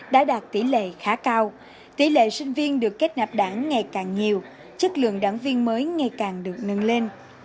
đã đạt tỷ lệ khá cao tỷ lệ sinh viên được kết nạp đảng ngày càng nhiều chất lượng đảng viên mới ngày càng được nâng lên